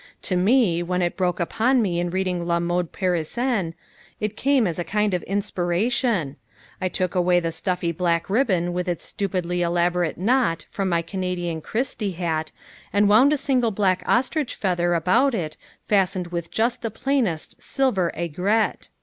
To me, when it broke upon me in reading La Mode Parisienne, it came as a kind of inspiration. I took away the stuffy black ribbon with its stupidly elaborate knot from my Canadian Christie hat and wound a single black ostrich feather about it fastened with just the plainest silver aigrette.